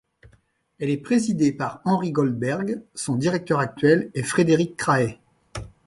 Elle est présidée par Henri Goldberg, Son directeur actuel est Frédéric Crahay.